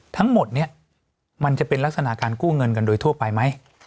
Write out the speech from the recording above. ทั้งหมดนี้มันจะเป็นลักษณะการกู้เงินกันโดยทั่วไปไหม